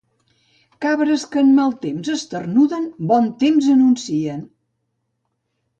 Cabres que en mal temps esternuden, bon temps anuncien.